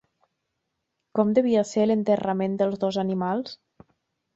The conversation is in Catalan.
Com devia ser l'enterrament dels dos animals?